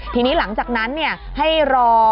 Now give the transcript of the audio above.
ทีนี้หลังจากนั้นให้รอ